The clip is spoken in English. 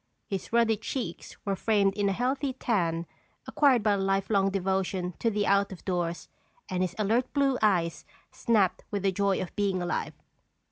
His ruddy cheeks were framed in a healthy tan acquired by a life long devotion to the out of doors and his alert, blue eyes snapped with the joy of being alive.